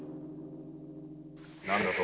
何だと？